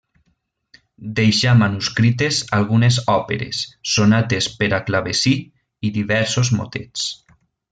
Deixà manuscrites algunes òperes, sonates per a clavecí i diversos motets.